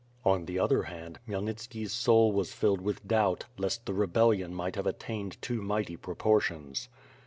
On the other hand, Khmyelnitski 's soul was filled with doubt, lest the rebellion might have attained too mighty pro portions.